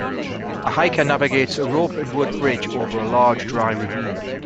A hiker navigates a rope and wood bridge over a large dry ravine.